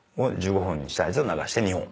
１５分にしたやつを流して２本。